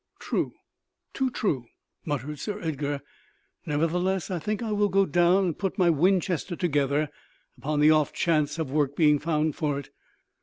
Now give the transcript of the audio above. "True; too true," muttered Sir Edgar. "Nevertheless, I think I will go down and put my Winchester together, upon the off chance of work being found for it.